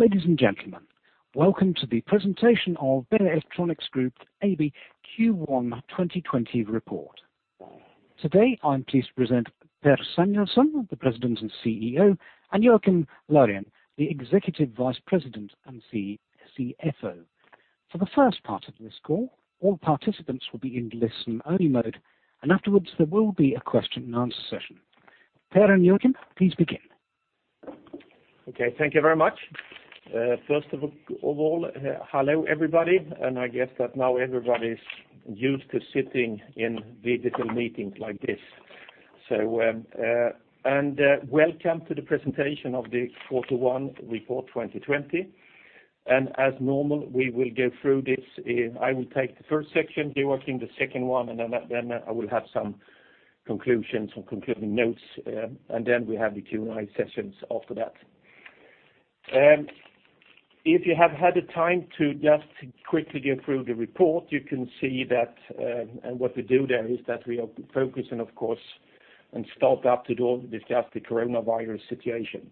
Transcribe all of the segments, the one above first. Ladies and gentlemen, welcome to the presentation of Beijer Electronics Group AB Q1 2020 report. Today, I'm pleased to present Per Samuelsson, the President and CEO, and Joakim Laurén, the Executive Vice President and CFO. For the first part of this call, all participants will be in listen-only mode. Afterwards, there will be a question and answer session. Per and Joakim, please begin. Okay. Thank you very much. First of all, hello, everybody. I guess that now everybody's used to sitting in digital meetings like this. Welcome to the presentation of the Q1 report 2020. As normal, we will go through this. I will take the first section, Joakim the second one. I will have some concluding notes. We have the Q&A session after that. If you have had the time to just quickly go through the report, you can see that what we do there is that we are focusing, of course, and start up to discuss the COVID-19 situation.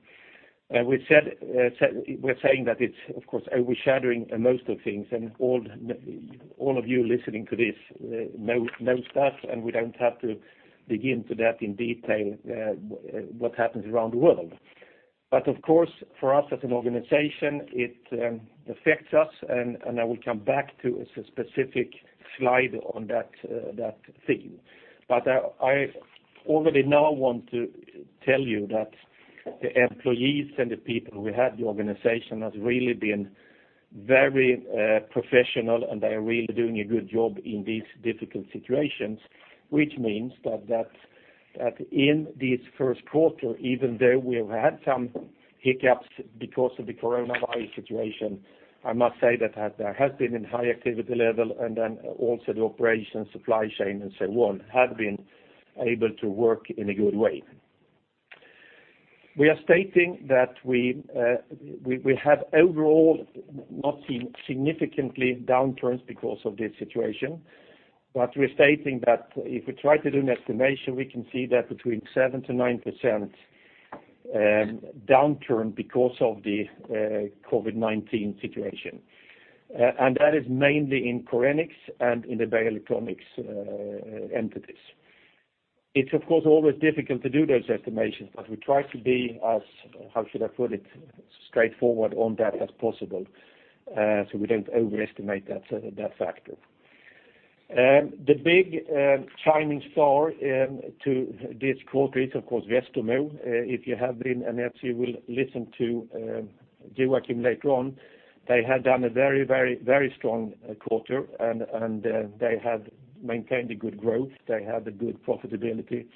We're saying that it's, of course, overshadowing most of things. All of you listening to this know stuff. We don't have to dig into that in detail, what happens around the world. Of course, for us as an organization, it affects us, and I will come back to a specific slide on that theme. I already now want to tell you that the employees and the people we have in the organization has really been very professional, and they are really doing a good job in these difficult situations, which means that in this first quarter, even though we have had some hiccups because of the COVID-19 situation, I must say that there has been a high activity level, also the operations, supply chain and so on, have been able to work in a good way. We are stating that we have overall not seen significant downturns because of this situation, but we're stating that if we try to do an estimation, we can see that between 7%-9% downturn because of the COVID-19 situation. That is mainly in Korenix and in the Beijer Electronics entities. It's of course always difficult to do those estimations, but we try to be as, how should I put it, straightforward on that as possible, so we don't overestimate that factor. The big shining star to this quarter is, of course, Westermo. If you have been, and as you will listen to Joakim later on, they have done a very strong quarter, and they have maintained a good growth. They have a good profitability.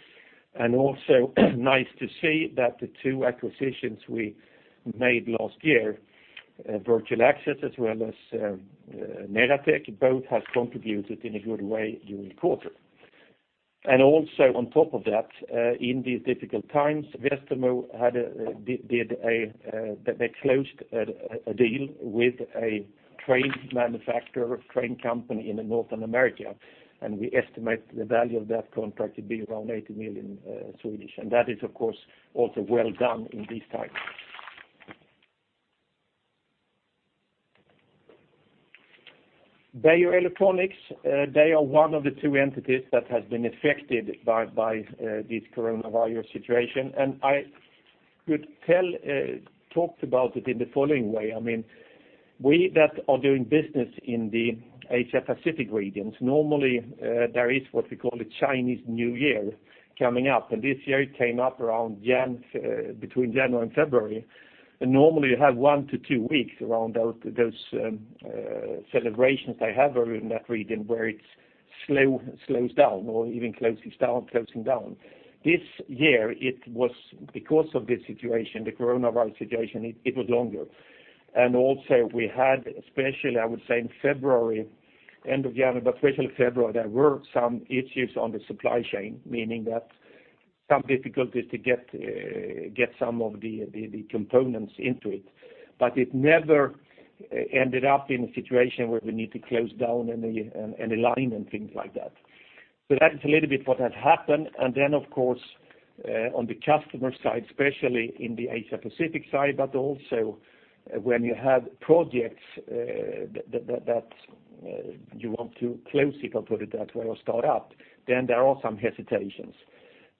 Also nice to see that the two acquisitions we made last year, Virtual Access as well as Neratec, both have contributed in a good way during the quarter. Also on top of that, in these difficult times, Westermo closed a deal with a train manufacturer, train company in Northern America, and we estimate the value of that contract to be around 80 million. That is, of course, also well done in these times. Beijer Electronics, they are one of the two entities that has been affected by this coronavirus situation. I could talk about it in the following way. We that are doing business in the Asia-Pacific regions, normally, there is what we call a Chinese New Year coming up. This year it came up between January and February. Normally, you have one to two weeks around those celebrations they have over in that region where it slows down or even closing down. This year, because of this situation, the coronavirus situation, it was longer. Also we had, especially I would say in February, end of January, but especially February, there were some issues on the supply chain, meaning that some difficulties to get some of the components into it. It never ended up in a situation where we need to close down any line and things like that. That's a little bit what has happened, and then, of course, on the customer side, especially in the Asia-Pacific side, but also when you have projects that you want to close, if I put it that way, or start up, then there are some hesitations.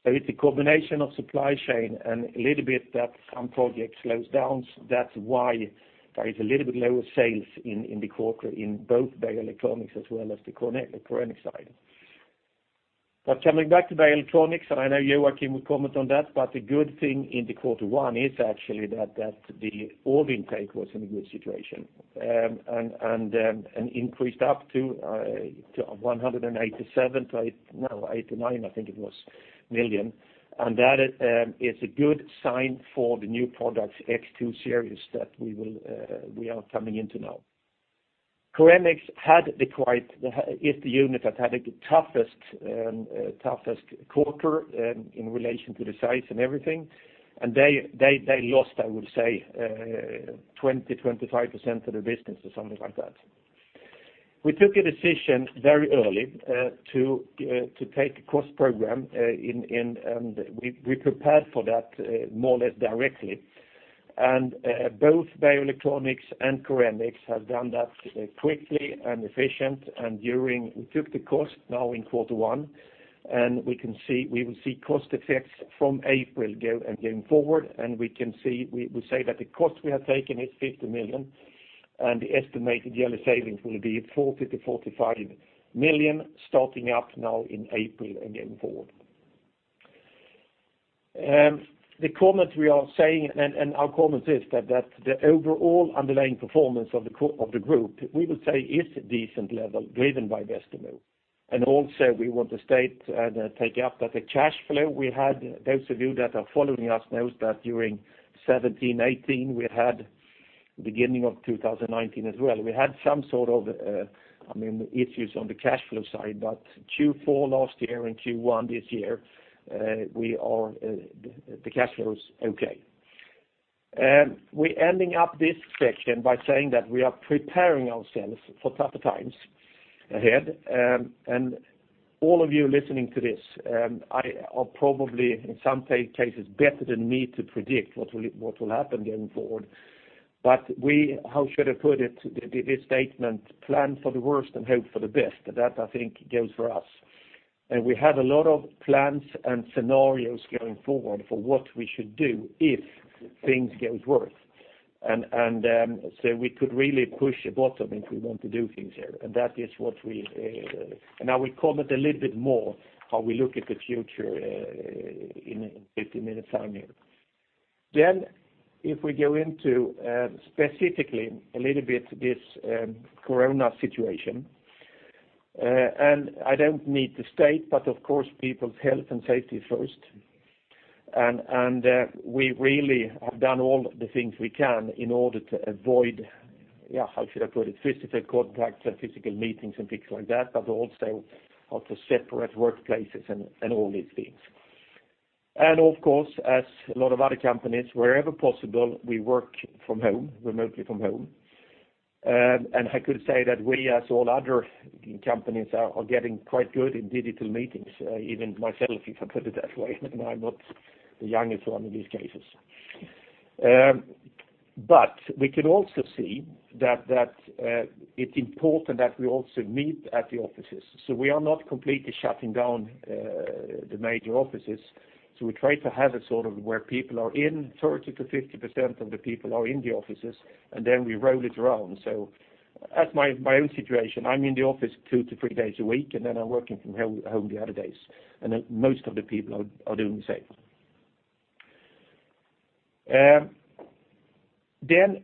It's a combination of supply chain and a little bit that some project slows down. That's why there is a little bit lower sales in the quarter in both Beijer Electronics as well as the Korenix side. Coming back to Beijer Electronics, and I know Joakim will comment on that, the good thing in the quarter one is actually that the order intake was in a good situation, and increased up to 187 million-189 million, I think it was. That is a good sign for the new product X2 series that we are coming into now. Korenix is the unit that had the toughest quarter in relation to the size and everything, and they lost, I would say, 20%-25% of the business or something like that. We took a decision very early to take a cost program, and we prepared for that more or less directly. Both Beijer Electronics and Korenix have done that quickly and efficient. We took the cost now in quarter one, and we will see cost effects from April and going forward. We say that the cost we have taken is 15 million, and the estimated yearly savings will be 40 million-45 million starting up now in April and going forward. Our comment is that the overall underlying performance of the group, we will say is decent level driven by Westermo. Also we want to state and take up that the cash flow we had, those of you that are following us knows that during 2017-2018, we had beginning of 2019 as well, we had some sort of issues on the cash flow side, but Q4 last year and Q1 this year, the cash flow is okay. We ending up this section by saying that we are preparing ourselves for tougher times ahead. All of you listening to this are probably, in some cases, better than me to predict what will happen going forward. How should I put it? This statement, plan for the worst and hope for the best. That I think goes for us. We have a lot of plans and scenarios going forward for what we should do if things goes worse. We could really push the bottom if we want to do things here. I will comment a little bit more how we look at the future in 15 minutes time here. If we go into, specifically a little bit, this COVID-19 situation. I don't need to state, but of course, people's health and safety first. We really have done all the things we can in order to avoid, how should I put it? Physical contacts and physical meetings and things like that, but also separate workplaces and all these things. Of course, as a lot of other companies, wherever possible, we work remotely from home. I could say that we, as all other companies, are getting quite good in digital meetings, even myself, if I put it that way, and I'm not the youngest one in these cases. We can also see that it's important that we also meet at the offices. We are not completely shutting down the major offices. We try to have it sort of where people are in 30%-50% of the people are in the offices, and then we roll it around. As my own situation, I'm in the office two to three days a week, and then I'm working from home the other days, and most of the people are doing the same.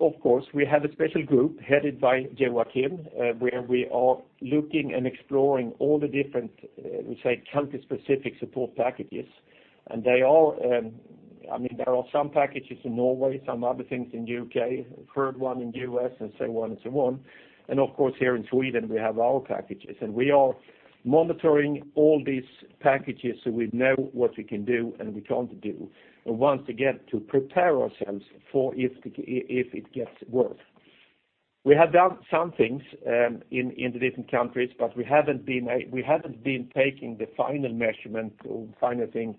Of course, we have a special group headed by Joakim, where we are looking and exploring all the different, we say country specific support packages. There are some packages in Norway, some other things in U.K., heard one in U.S., and so on. Of course, here in Sweden, we have our packages. We are monitoring all these packages so we know what we can do and we can't do. Once we get to prepare ourselves for if it gets worse. We have done some things in the different countries, but we haven't been taking the final measurement or final thing,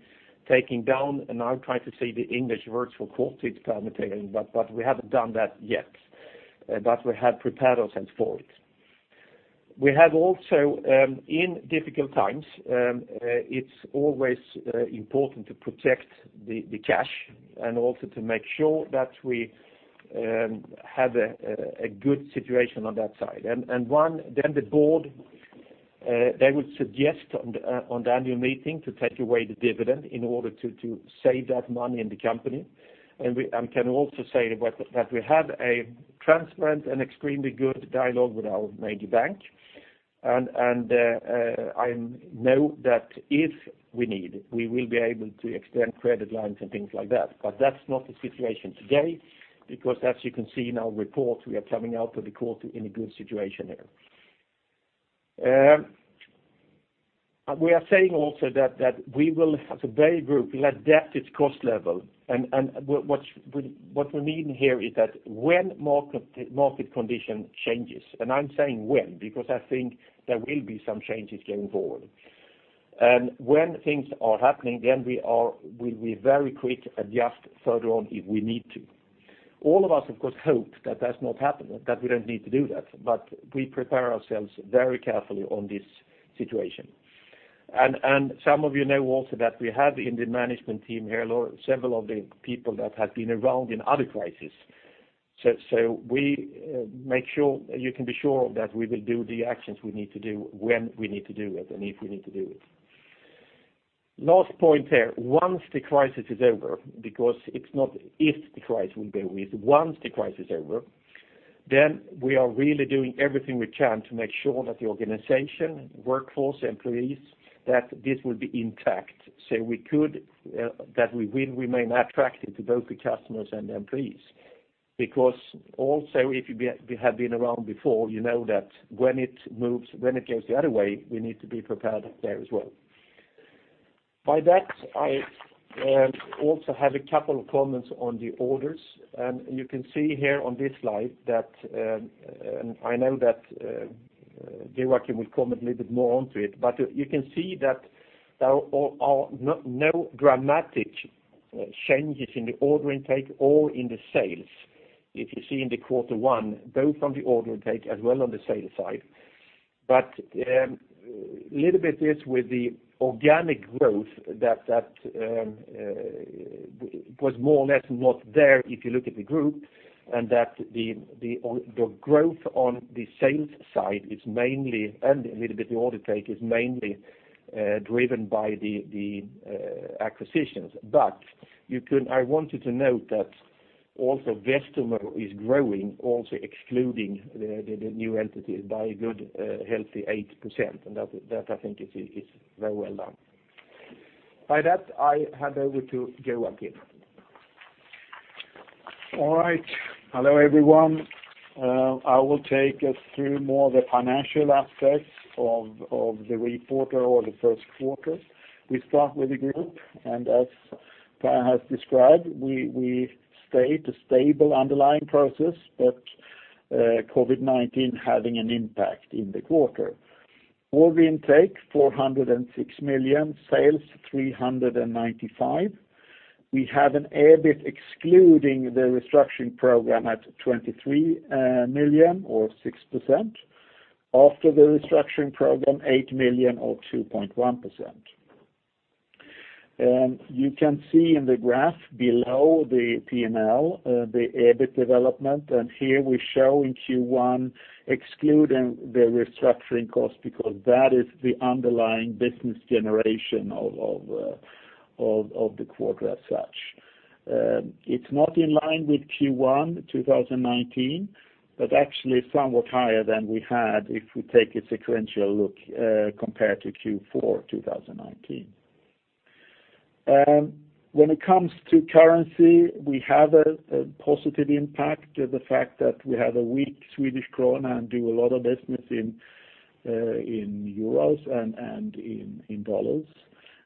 taking down, and I'm trying to say the English words for Swedish terminology, but we haven't done that yet. We have prepared ourselves for it. In difficult times, it's always important to protect the cash and also to make sure that we have a good situation on that side. The board, they will suggest on the annual meeting to take away the dividend in order to save that money in the company. We can also say that we have a transparent and extremely good dialogue with our major bank. I know that if we need, we will be able to extend credit lines and things like that. That's not the situation today because as you can see in our report, we are coming out of the quarter in a good situation here. We are saying also that we will as a Beijer Group adapt its cost level. What we mean here is that when market condition changes, and I'm saying when, because I think there will be some changes going forward. When things are happening, we will be very quick adjust further on if we need to. All of us of course hope that that's not happening, that we don't need to do that, but we prepare ourselves very carefully on this situation. Some of you know also that we have in the management team here, several of the people that have been around in other crises. You can be sure that we will do the actions we need to do when we need to do it, and if we need to do it. Last point there, once the crisis is over, because it's not if the crisis will be with, once the crisis is over, then we are really doing everything we can to make sure that the organization, workforce, employees, that this will be intact. That we will remain attractive to both the customers and employees. Also if you have been around before, you know that when it goes the other way, we need to be prepared there as well. By that, I also have a couple of comments on the orders. You can see here on this slide that, I know that Joakim will comment a little bit more onto it, you can see that there are no dramatic changes in the order intake or in the sales, if you see in the quarter one, both from the order intake as well on the sales side. A little bit is with the organic growth that was more or less not there if you look at the group, and that the growth on the sales side is mainly, and a little bit the order take, is mainly driven by the acquisitions. I wanted to note that also Westermo is growing, also excluding the new entities by a good healthy 8%, and that I think is very well done. By that, I hand over to Joakim. All right. Hello, everyone. I will take us through more of the financial aspects of the report or the first quarter. We start with the group, and as Per has described, we stayed a stable underlying process, but COVID-19 having an impact in the quarter. Order intake 406 million, sales 395 million. We have an EBIT excluding the restructuring program at 23 million or 6%. After the restructuring program, 8 million or 2.1%. You can see in the graph below the P&L, the EBIT development, and here we show in Q1 excluding the restructuring cost because that is the underlying business generation of the quarter as such. It is not in line with Q1 2019, but actually somewhat higher than we had if we take a sequential look compared to Q4 2019. When it comes to currency, we have a positive impact. The fact that we have a weak Swedish krona and do a lot of business in euros and in dollars.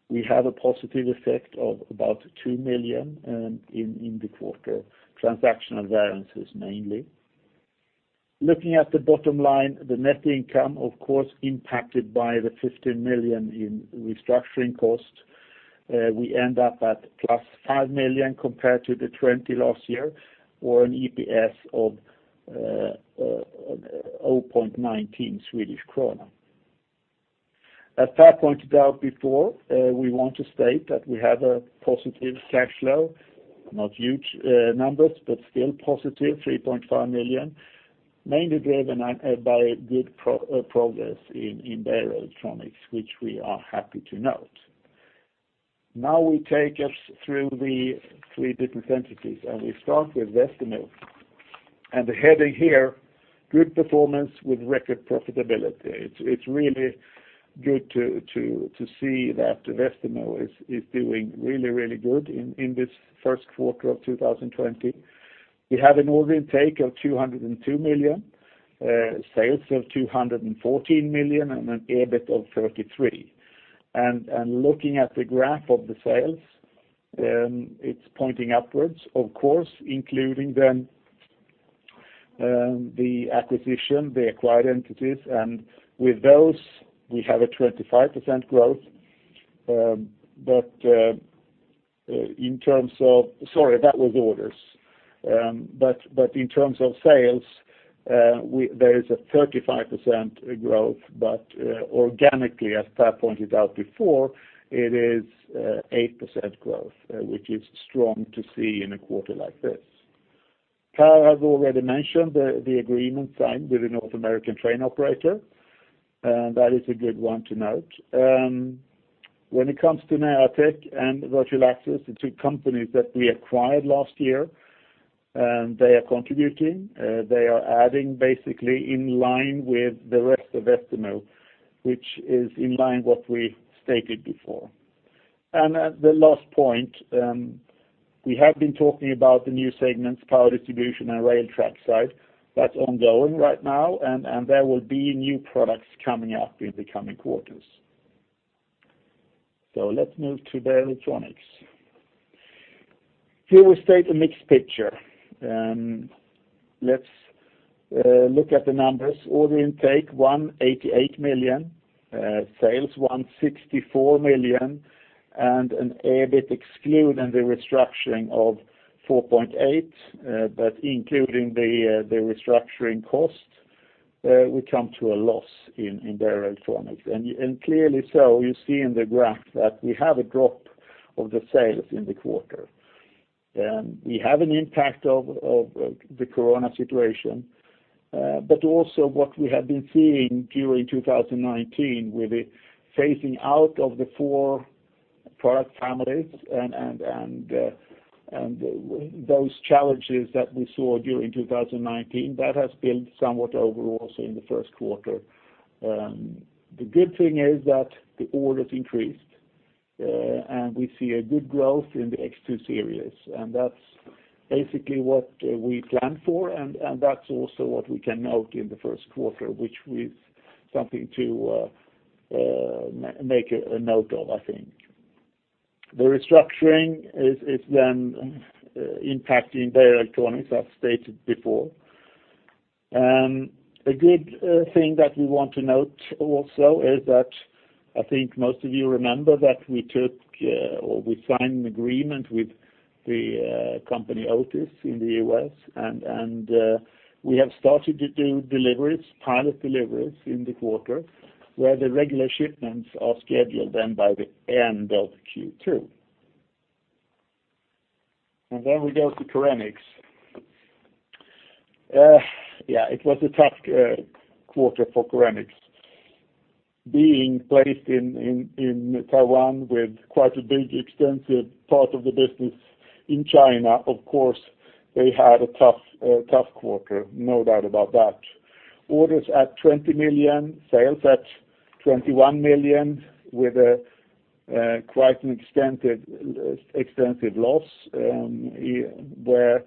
We have a positive effect of about 2 million in the quarter, transactional variances mainly. Looking at the bottom line, the net income, of course, impacted by the 15 million in restructuring costs. We end up at +5 million compared to the 20 last year, or an EPS of 0.19 Swedish krona. As Per pointed out before, we want to state that we have a positive cash flow, not huge numbers, but still positive, 3.5 million, mainly driven by good progress in Beijer Electronics, which we are happy to note. Now we take us through the three different entities, and we start with Westermo. The heading here, good performance with record profitability. It's really good to see that Westermo is doing really good in this first quarter of 2020. We have an order intake of 202 million, sales of 214 million, and an EBIT of 33. Looking at the graph of the sales, it's pointing upwards, of course, including the acquired entities. With those, we have a 25% growth. Sorry, that was orders. In terms of sales, there is a 35% growth, but organically, as Per pointed out before, it is 8% growth, which is strong to see in a quarter like this. Per has already mentioned the agreement signed with the North American train operator. That is a good one to note. When it comes to Neratec and Virtual Access, the two companies that we acquired last year, they are contributing. They are adding basically in line with the rest of Westermo, which is in line what we stated before. The last point, we have been talking about the new segments, power distribution and rail trackside. That's ongoing right now, and there will be new products coming up in the coming quarters. Let's move to Beijer Electronics. Here we state a mixed picture. Let's look at the numbers. Order intake, 188 million. Sales, 164 million, and an EBIT excluding the restructuring of 4.8, but including the restructuring cost, we come to a loss in Beijer Electronics. Clearly so, you see in the graph that we have a drop of the sales in the quarter. We have an impact of the COVID-19 situation, but also what we have been seeing during 2019 with the phasing out of the four product families and those challenges that we saw during 2019, that has been somewhat overall also in the first quarter. The good thing is that the orders increased, and we see a good growth in the X2 series, and that's basically what we planned for, and that's also what we can note in the first quarter, which is something to make a note of, I think. The restructuring is impacting Beijer Electronics, as stated before. A good thing that we want to note also is that I think most of you remember that we took, or we signed an agreement with the company Otis in the U.S., and we have started to do deliveries, pilot deliveries in the quarter, where the regular shipments are scheduled then by the end of Q2. Then we go to Korenix. Yeah, it was a tough quarter for Korenix. Being placed in Taiwan with quite a big extensive part of the business in China, of course, they had a tough quarter, no doubt about that. Orders at 20 million, sales at 21 million, with quite an extensive loss, where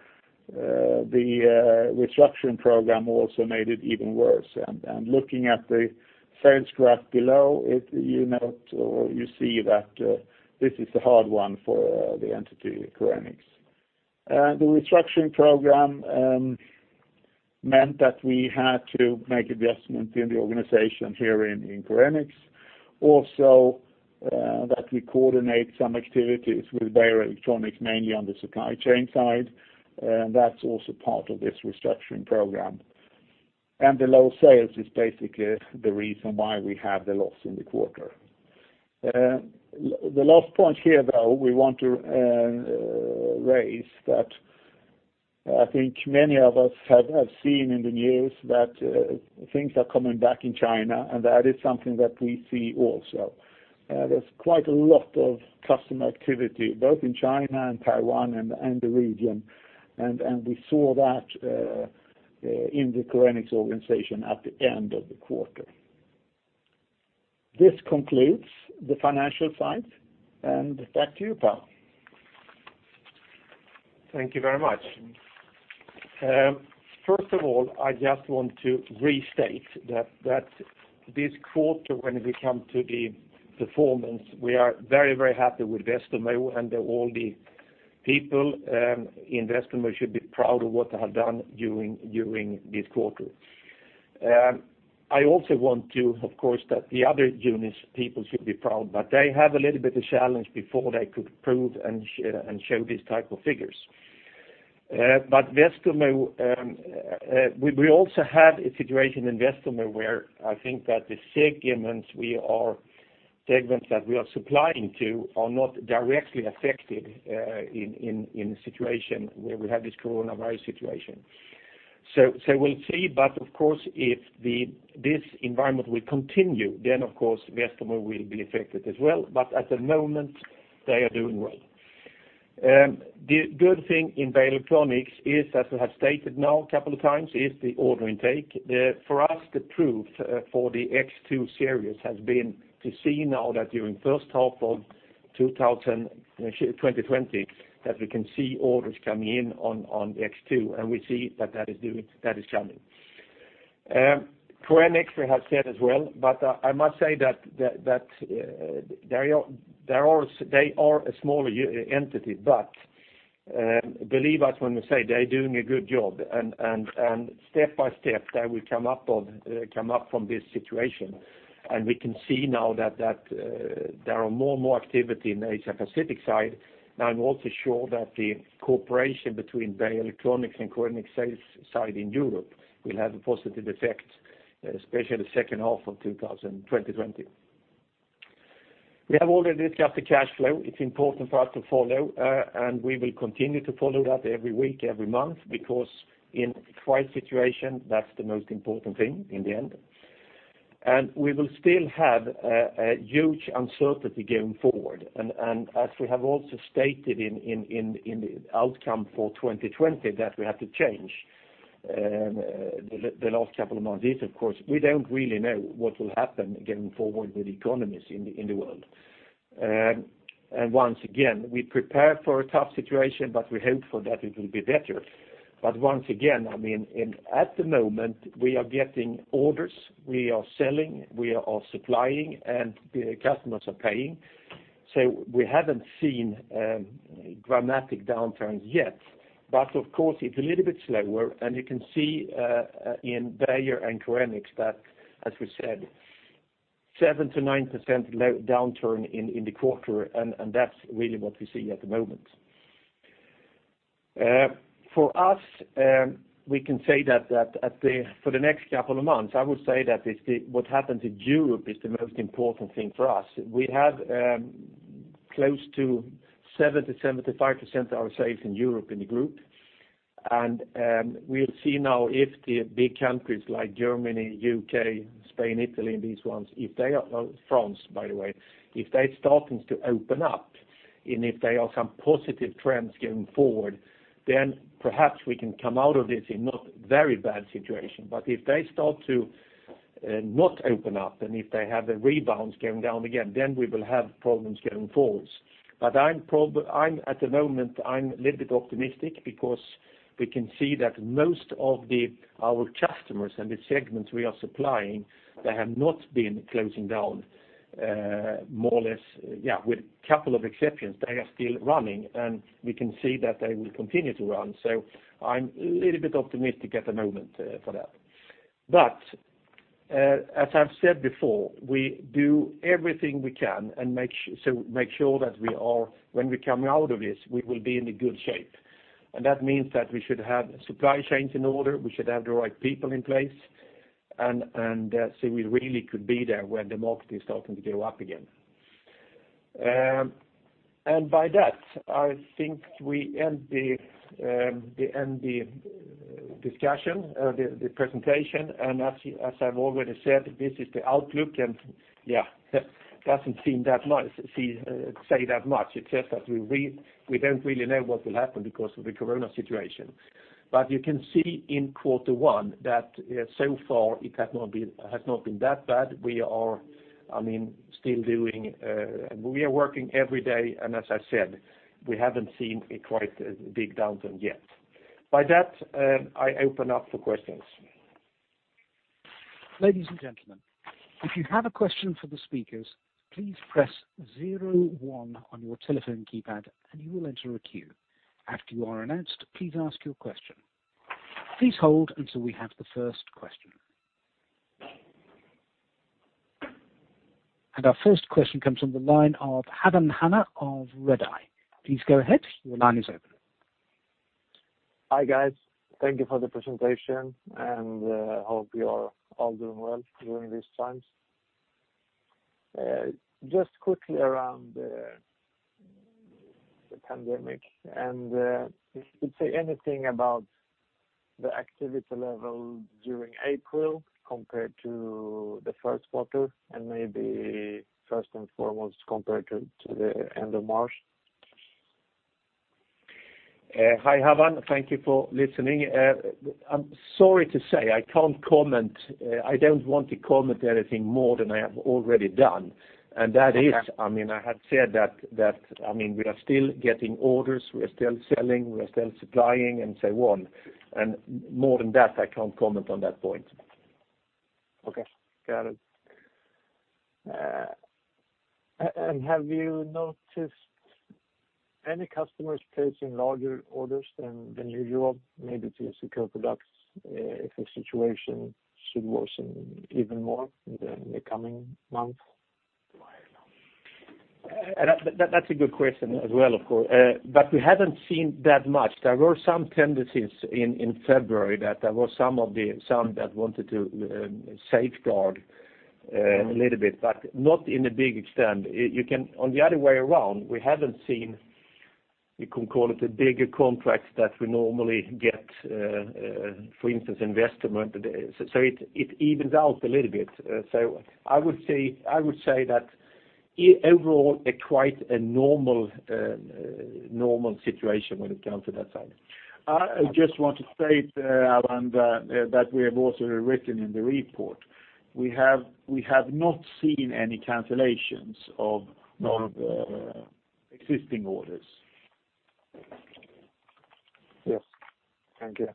the restructuring program also made it even worse. Looking at the sales graph below, you see that this is a hard one for the entity Korenix. The restructuring program meant that we had to make adjustments in the organization here in Korenix. That we coordinate some activities with Beijer Electronics, mainly on the supply chain side. That's also part of this restructuring program. The low sales is basically the reason why we have the loss in the quarter. The last point here, though, we want to raise that I think many of us have seen in the news that things are coming back in China, and that is something that we see also. There's quite a lot of customer activity, both in China and Taiwan and the region, and we saw that in the Korenix organization at the end of the quarter. This concludes the financial side, back to you, Per. Thank you very much. First of all, I just want to restate that this quarter, when we come to the performance, we are very, very happy with Westermo and all the people in Westermo should be proud of what they have done during this quarter. I also want to, of course, that the other units people should be proud, but they have a little bit of challenge before they could prove and show these type of figures. We also have a situation in Westermo where I think that the segments that we are supplying to are not directly affected in a situation where we have this coronavirus situation. We'll see, but of course, if this environment will continue, then of course, Westermo will be affected as well, but at the moment, they are doing well. The good thing in Beijer Electronics is, as we have stated now a couple of times, is the order intake. For us, the proof for the X2 series has been to see now that during first half of 2020, that we can see orders coming in on the X2, and we see that that is coming. Korenix, we have said as well, but I must say that they are a smaller entity, but believe us when we say they're doing a good job, and step by step, they will come up from this situation. We can see now that there are more and more activity in Asia-Pacific side, and I'm also sure that the cooperation between Beijer Electronics and Korenix sales side in Europe will have a positive effect, especially the second half of 2020. We have already discussed the cash flow. It's important for us to follow, and we will continue to follow that every week, every month, because in a crisis situation, that's the most important thing in the end. We will still have a huge uncertainty going forward, and as we have also stated in the outcome for 2020 that we have to change the last couple of months is, of course, we don't really know what will happen going forward with economies in the world. Once again, we prepare for a tough situation, but we hope for that it will be better. Once again, at the moment, we are getting orders, we are selling, we are supplying, and the customers are paying. We haven't seen dramatic downturns yet, but of course, it's a little bit slower, and you can see in Beijer and Korenix that, as we said, 7%-9% downturn in the quarter, and that's really what we see at the moment. For us, we can say that for the next couple of months, I would say that what happens in Europe is the most important thing for us. We have close to 70%-75% of our sales in Europe in the group, and we'll see now if the big countries like Germany, U.K., Spain, Italy, and these ones, France, by the way, if they're starting to open up, and if there are some positive trends going forward, then perhaps we can come out of this in not very bad situation. Not open up, and if they have a rebound going down again, then we will have problems going forward. At the moment, I'm a little bit optimistic because we can see that most of our customers and the segments we are supplying that have not been closing down, more or less, with a couple of exceptions, they are still running, and we can see that they will continue to run. I'm a little bit optimistic at the moment for that. As I've said before, we do everything we can to make sure that when we come out of this, we will be in a good shape. That means that we should have supply chains in order, we should have the right people in place, and so we really could be there when the market is starting to go up again. By that, I think we end the presentation. As I've already said, this is the outlook, and yeah, doesn't say that much. It's just that we don't really know what will happen because of the coronavirus situation. You can see in quarter one that so far it has not been that bad. We are still working every day, and as I said, we haven't seen a quite big downturn yet. By that, I open up for questions. Ladies and gentlemen, if you have a question for the speakers, please press zero one on your telephone keypad and you will enter a queue. After you are announced, please ask your question. Please hold until we have the first question. Our first question comes from the line of Havan Hanna of Redeye. Please go ahead. Your line is open. Hi, guys. Thank you for the presentation, and hope you are all doing well during these times. Just quickly around the pandemic and if you could say anything about the activity level during April compared to the first quarter and maybe first and foremost, compared to the end of March? Hi, Havan. Thank you for listening. I'm sorry to say I can't comment. I don't want to comment anything more than I have already done. That is, I had said that we are still getting orders, we are still selling, we are still supplying, and so on. More than that, I can't comment on that point. Okay, got it. Have you noticed any customers placing larger orders than usual, maybe to secure products if the situation should worsen even more in the coming months? That's a good question as well, of course. We haven't seen that much. There were some tendencies in February that there were some that wanted to safeguard a little bit, but not in a big extent. On the other way around, we haven't seen, you can call it the bigger contracts that we normally get, for instance, investment. It evens out a little bit. I would say that overall a quite a normal situation when it comes to that side. I just want to state, Havan, that we have also written in the report. We have not seen any cancellations of existing orders. Yes. Thank you.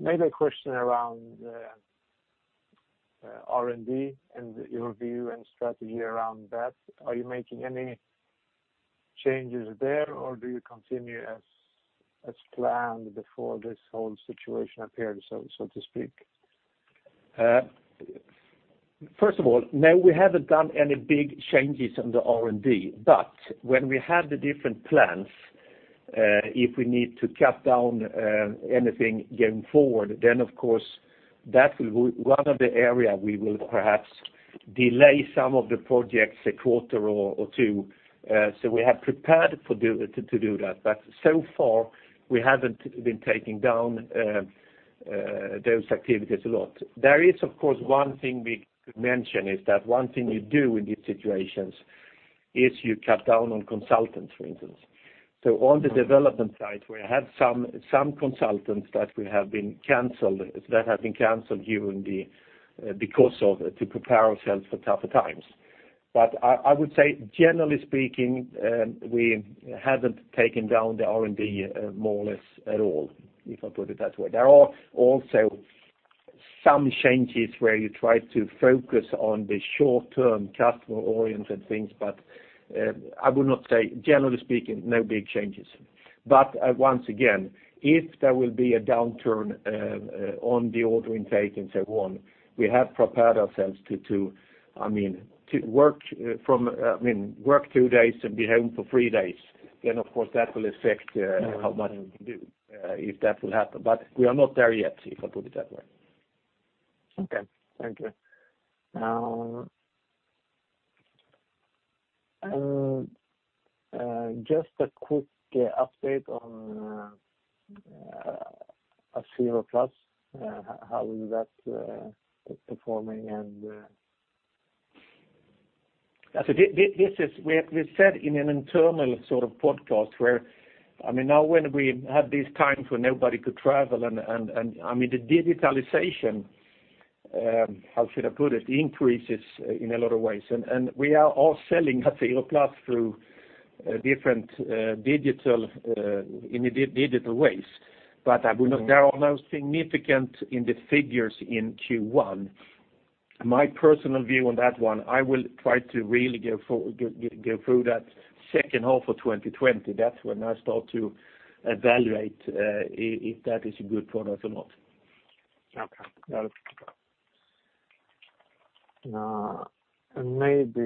Maybe a question around R&D and your view and strategy around that. Are you making any changes there, or do you continue as planned before this whole situation appeared, so to speak? First of all, no, we haven't done any big changes on the R&D, but when we have the different plans, if we need to cut down anything going forward, then of course, that will be one of the area we will perhaps delay some of the projects a quarter or two. We have prepared to do that. So far we haven't been taking down those activities a lot. There is, of course, one thing we could mention is that one thing you do in these situations is you cut down on consultants, for instance. On the development side, we have some consultants that have been canceled during the because of to prepare ourselves for tougher times. I would say generally speaking, we haven't taken down the R&D more or less at all, if I put it that way. There are also some changes where you try to focus on the short-term customer-oriented things, but I would not say, generally speaking, no big changes. Once again, if there will be a downturn on the order intake and so on, we have prepared ourselves to work two days and be home for three days, then, of course, that will affect how much we can do if that will happen. We are not there yet, if I put it that way. Okay. Thank you. Just a quick update on acirro+, how is that performing and We said in an internal sort of podcast where, now when we had these times when nobody could travel and the digitalization, how should I put it, increases in a lot of ways. We are all selling acirro+ through different digital ways. There are no significant in the figures in Q1. My personal view on that one, I will try to really go through that second half of 2020. That's when I start to evaluate if that is a good product or not. Okay. Maybe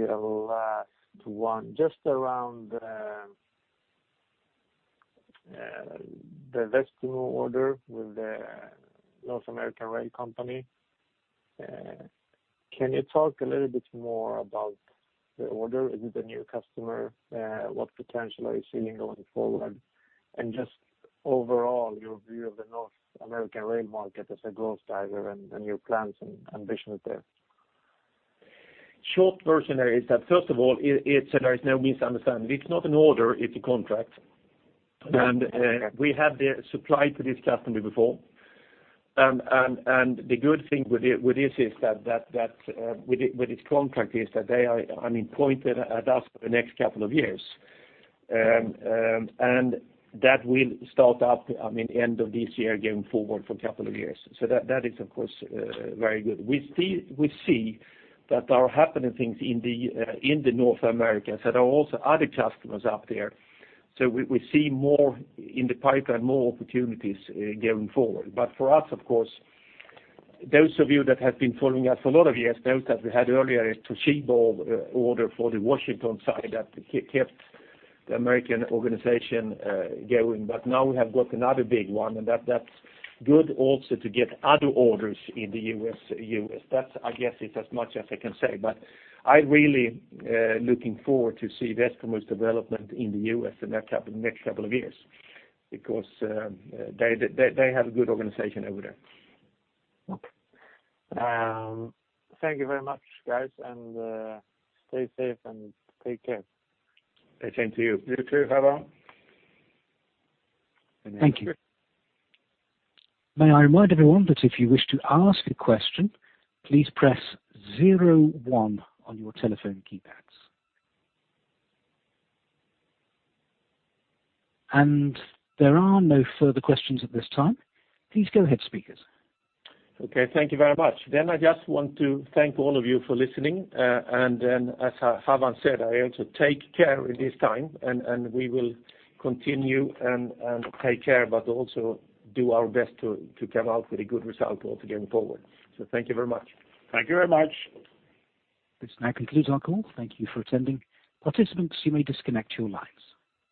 a last one, just around the Westermo order with the North American rail company. Can you talk a little bit more about the order? Is it a new customer? What potential are you seeing going forward? Just overall, your view of the North American rail market as a growth driver and your plans and ambitions there. Short version there is that, first of all, there is no misunderstanding. It's not an order, it's a contract. Okay. We have supplied to this customer before. The good thing with this contract is that they are employed at us for the next couple of years. That will start up end of this year, going forward for a couple of years. That is, of course, very good. We see that there are happening things in the North Americas, that there are also other customers up there. We see more in the pipeline, more opportunities, going forward. For us, of course, those of you that have been following us a lot of years, note that we had earlier a Toshiba order for the Washington side that kept the American organization going. Now we have got another big one, and that's good also to get other orders in the U.S. That, I guess, is as much as I can say. I'm really looking forward to see Westermo's development in the U.S. in the next couple of years, because they have a good organization over there. Okay. Thank you very much, guys, and stay safe and take care. The same to you. You too, Havan. Thank you. May I remind everyone that if you wish to ask a question, please press zero one on your telephone keypads. There are no further questions at this time. Please go ahead, speakers. Okay. Thank you very much. I just want to thank all of you for listening. As Havan said, I also take care in this time, and we will continue and take care, but also do our best to come out with a good result also going forward. Thank you very much. Thank you very much. This now concludes our call. Thank you for attending. Participants, you may disconnect your lines.